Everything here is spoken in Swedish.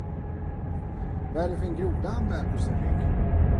Vad är det för en groda han bär på sin rygg?